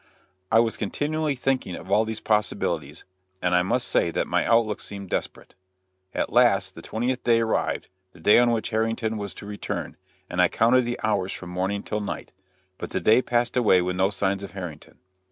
I was continually thinking of all these possibilities, and I must say that my outlook seemed desperate. At last the twentieth day arrived the day on which Harrington was to return and I counted the hours from morning till night, but the day passed away with no signs of Harrington.